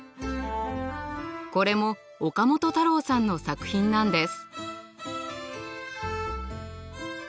これも岡本太郎さんの作品なんです。